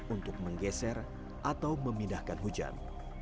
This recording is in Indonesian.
untuk menggeser atau memindahkan hujan